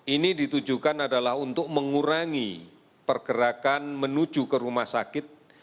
ini ditujukan adalah untuk mengurangi pergerakan menuju ke rumah sakit